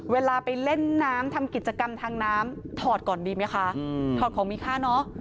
เวลาไปเล่นน้ำทำกิจกรรมทางน้ำถอดก่อนดีไหมคะถอดของมีค่าเนอะ